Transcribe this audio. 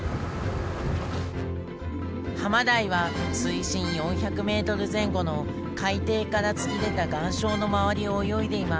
ハマダイは水深４００ｍ前後の海底から突き出た岩礁の周りを泳いでいます。